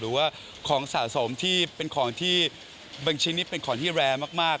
หรือว่าของสะสมที่เป็นของที่บางชิ้นนี้เป็นของที่แรร์มาก